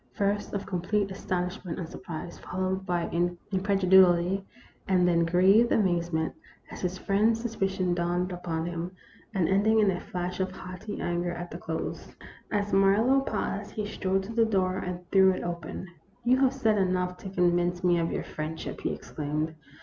First of complete astonishment and surprise, fol lowed by incredulity ; and then grieved amazement, as his friend's suspicion dawned upon him, and ending in a flash of haughty anger at the close. As Marlowe paused, he strode to the door and threw it open. " You have said enough to convince me of your friendship," he exclaimed.